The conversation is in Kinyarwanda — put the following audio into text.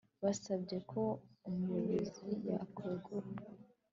Basabye ko umuyobozi yakwegura